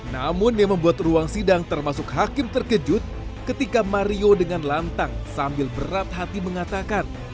namun yang membuat ruang sidang termasuk hakim terkejut ketika mario dengan lantang sambil berat hati mengatakan